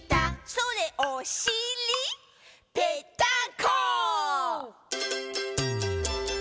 「それおしり」「ぺったんこ！」